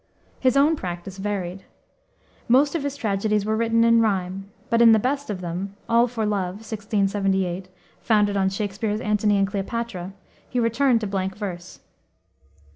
His own practice varied. Most of his tragedies were written in rime, but in the best of them, All for Love, 1678, founded on Shakspere's Antony and Cleopatra, he returned to blank verse.